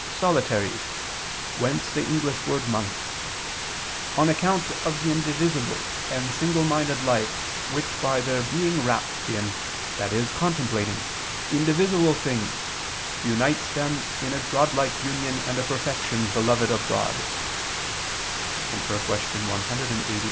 solitaries; whence the English word 'monk'], "on account of the indivisible and single minded life which by their being wrapped in," i.e. contemplating, "indivisible things, unites them in a Godlike union and a perfection beloved of God" [*Cf. Q. 180, A.